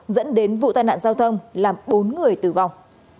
dẫn đến vụ tai nạn giao thông làm bốn người tử vong